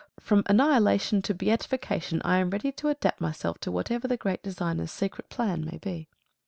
From annihilation to beatification I am ready to adapt myself to whatever the great Designer's secret plan my be.